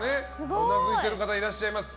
うなずいている方いらっしゃいます。